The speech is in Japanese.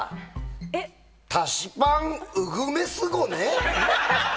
かしぱんうぐめすごね！